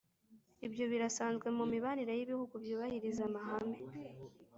ibyo birasanzwe mu mibanire y'ibihugu byubahiriza amahame